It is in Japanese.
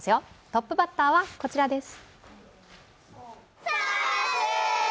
トップバッターはこちらです。